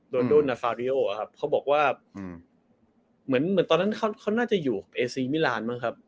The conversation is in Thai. โรนันโดนาฟาริโออะครับเขาบอกว่าอืมเหมือนเหมือนตอนนั้นเขาน่าจะอยู่เอซีมิลานบ้างครับ